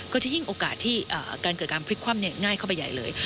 ก็จะยิ่งโอกาสที่การเกิดการพลิกคว่ำง่ายเข้าไปใหญ่เลย